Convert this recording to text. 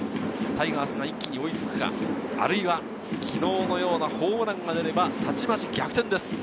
タイガースが一気に追いつくか、あるいは昨日のようなホームランが出ればたちまち逆転です。